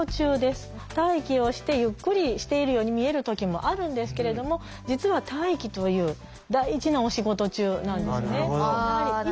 待機をしてゆっくりしているように見える時もあるんですけれども実は「待機」という大事なお仕事中なんですね。